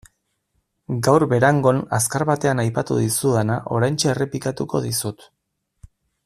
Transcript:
Gaur Berangon azkar batean aipatu dizudana oraintxe errepikatuko dizut.